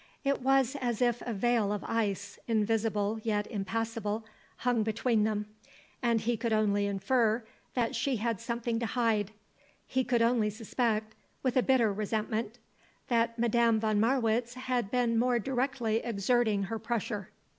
It was as if a veil of ice, invisible yet impassable, hung between them, and he could only infer that she had something to hide, he could only suspect, with a bitterer resentment, that Madame von Marwitz had been more directly exerting her pressure.